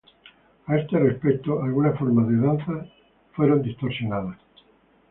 A este respecto, algunas formas de danzas fueron distorsionadas.